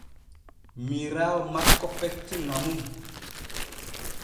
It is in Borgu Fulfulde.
Miiraawo makko fecci ŋa mum.